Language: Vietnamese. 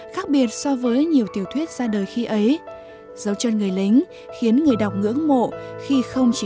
khác biệt so với nhiều tiểu thuyết ra đời khi ấy dấu chân người lính khiến người đọc ngưỡng mộ khi không chỉ